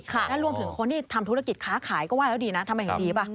และรวมถึงคนที่ทำธุรกิจค้าขายก็ไห้แล้วดีนะทำไมเห็นดีป่ะ